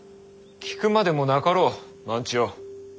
聞くまでもなかろう万千代。